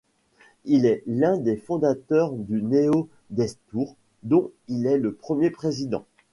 Il est l'un des fondateurs du Néo-Destour dont il est le premier président.